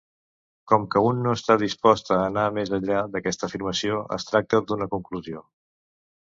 Com que un no està dispost a anar més enllà d'aquesta afirmació, es tracta d'una conclusió.